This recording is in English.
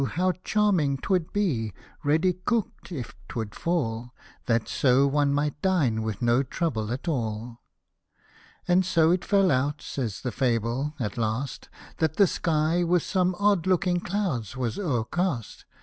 how charming 'twould be ready cook'd if 'twould fall, That so one might dine with no trouble at all." And so it fell out, says the fable, at last That the sky with some odd looking clouds was o'ermt